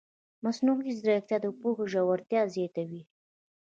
مصنوعي ځیرکتیا د پوهې ژورتیا زیاتوي.